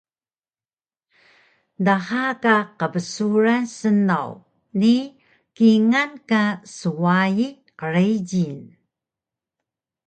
Dha ka qbsuran snaw ni kingal ka swayi qrijil